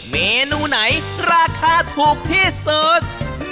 เมนูไหนราคาถูกที่สุด